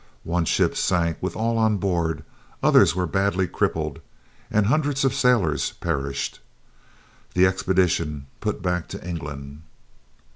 One ship sank with all on board, others were badly crippled, and hundreds of sailors perished. The expedition put back to England.